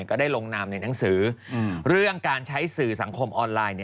ก็ได้ลงนามในหนังสือเรื่องการใช้สื่อสังคมออนไลน์